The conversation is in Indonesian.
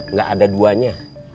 nggak ada duanya